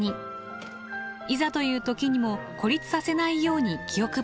いざという時にも孤立させないように気を配っています。